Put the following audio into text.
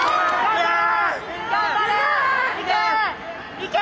いけ！